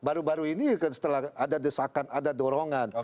baru baru ini setelah ada desakan ada dorongan